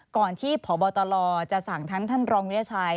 ก่อนที่พบตลจะสั่งทั้งท่านรองวิทยาชัย